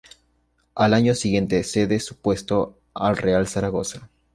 Al año siguiente cede su puesto al Real Zaragoza.